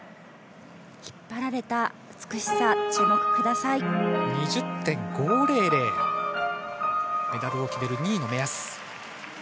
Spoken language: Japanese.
引っ張られた美しさに注目ください。２０．５００、メダルを決める２位の目安です。